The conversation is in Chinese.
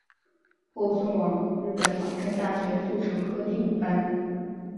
后送往日本法政大学速成科第五班。